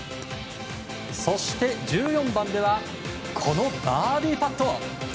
そして１４番ではこのバーディーパット。